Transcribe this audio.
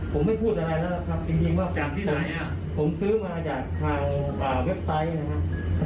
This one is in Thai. ผมไม่พูดอะไรแล้วครับจริงว่าจากที่ไหนผมซื้อมาจากทางเว็บไซต์นะครับ